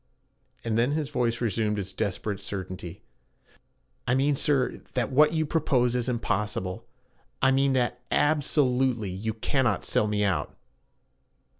And then his voice resumed its desperate certainty. 'I mean, sir, that what you propose is impossible. I mean that ab so lute ly you cannot sell me out.'